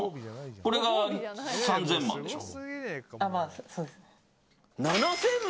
これが３０００万でしょ。